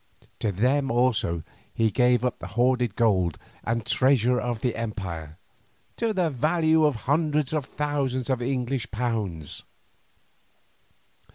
To them also he gave up all the hoarded gold and treasure of the empire, to the value of hundreds of thousands of English pounds.